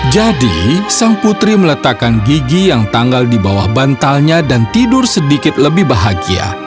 jadi sang putri meletakkan gigi yang tanggal di bawah bantalnya dan tidur sedikit lebih bahagia